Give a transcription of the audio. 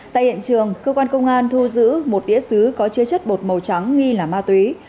tại hiện trường cơ quan công an thu giữ một đĩa xứ có chứa chất bột màu trắng nghi là ma túy